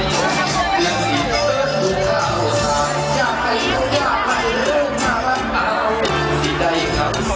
สวัสดีครับ